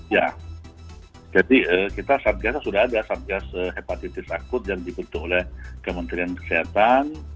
ya jadi kita satgas sudah ada satgas hepatitis akut yang dibentuk oleh kementerian kesehatan